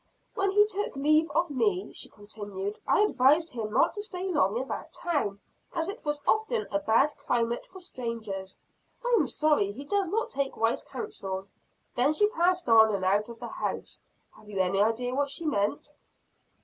'When he took leave of me,' she continued, 'I advised him not to stay long in that town as it was often a bad climate for strangers. I am sorry he does not take wise counsel.' Then she passed on, and out of the house. Have you any idea what she meant?"